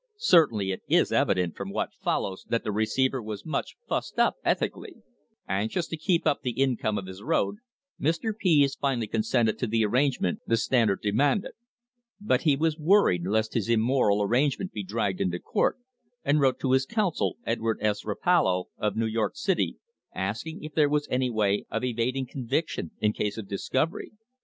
Certainly it is evident from what follows that the receiver was much "fussed up" ethically. Anxious to keep up the income of his road, Mr. Pease finally consented to the arrangement the Standard demanded. But he was worried lest his immoral arrangement be dragged into court, and wrote to his counsel, Edward S. Rapallo, of New York City, asking if there was any way of evading conviction in case of discovery.